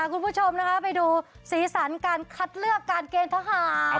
คุณผู้ชมนะคะไปดูสีสันการคัดเลือกการเกณฑ์ทหาร